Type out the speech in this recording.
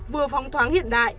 vừa phong thoáng hiện đại